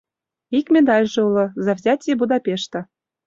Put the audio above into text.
Ик медальже уло: «За взятие Будапешта».